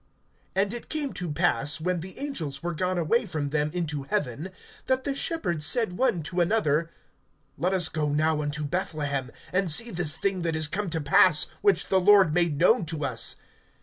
(15)And it came to pass, when the angels were gone away from them into heaven, that the shepherds said one to another: Let us go now unto Bethlehem, and see this thing that is come to pass, which the Lord made known to us.